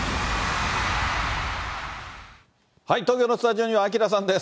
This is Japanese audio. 東京のスタジオにはＡＫＩＲＡさんです。